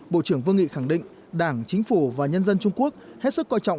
bộ trưởng vương nghị khẳng định đảng chính phủ và nhân dân trung quốc hết sức coi trọng